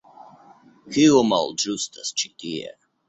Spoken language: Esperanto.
Kio malĝustas ĉi tie?